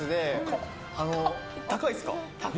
高いですか。